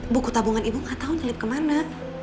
buku tabungan ibu gak tau nilip kemana